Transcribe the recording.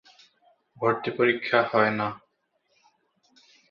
ভর্তি পরিক্ষা হয়না।